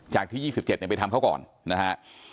ที่๒๗ไปทำเขาก่อนนะฮะ